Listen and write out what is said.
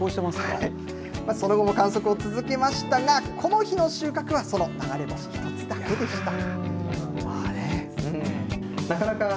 その後も観測を続けましたが、この日の収穫は、その流れ星１つだけでした。